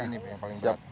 hari ini yang paling berat